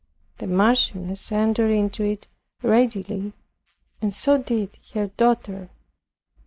The Marchioness entered into it readily, and so did her daughter.